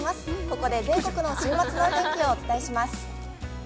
ここで全国の週末のお天気をお伝えします。